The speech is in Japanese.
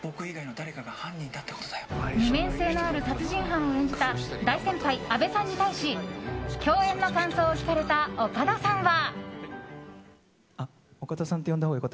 二面性のある殺人犯を演じた大先輩・阿部さんに対し共演の感想を聞かれた岡田さんは。